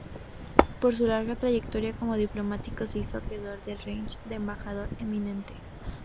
Por su larga trayectoria como diplomático, se hizo acreedor al rango de Embajador Eminente.